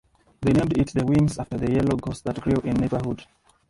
They named it The Whins after the yellow gorse that grew in the neighbourhood.